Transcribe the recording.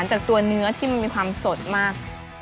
จากตัวเนื้อที่มันมีความสดมาก